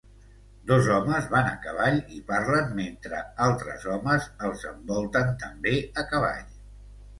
Dos homes van a cavall i parlen mentre altres homes els envolten també a cavall.